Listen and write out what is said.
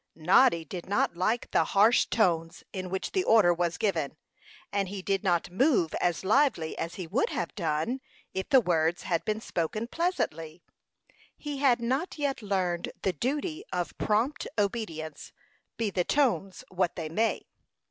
Noddy did not like the harsh tones in which the order was given, and he did not move as lively as he would have done if the words had been spoken pleasantly. He had not yet learned the duty of prompt obedience, be the tones what they may.